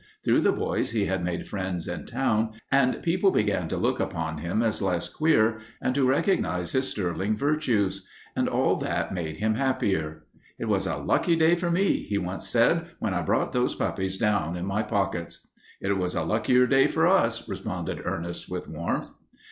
Through the boys he had made friends in town, and people began to look upon him as less queer and to recognize his sterling virtues. And all that made him happier. "It was a lucky day for me," he once said, "when I brought those puppies down in my pockets." "It was a luckier day for us," responded Ernest with warmth.